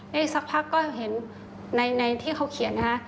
ในสักพักก็เห็นในที่เขาเขียน